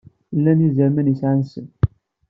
Llan yizerman yesɛan ssemm.